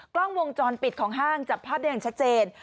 กล้องวงจรปิดของห้างจับภาพได้อย่างชัดเจน